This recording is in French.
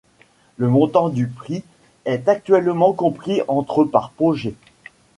Le montant du prix est actuellement compris entre par projet.